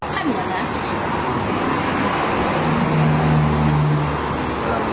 มันจะเจ็บไง